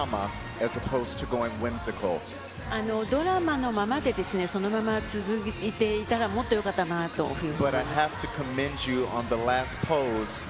ドラマのままでそのまま続いていたら、もっとよかったなというふうに。